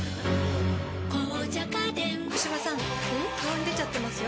小芝さん顔に出ちゃってますよ！